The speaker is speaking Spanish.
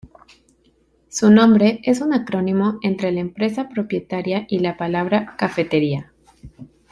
Su nombre es un acrónimo entre la empresa propietaria y la palabra "cafetería".